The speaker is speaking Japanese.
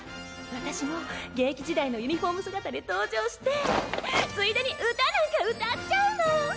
私も現役時代のユニホーム姿で登場してついでに歌なんか歌っちゃうの！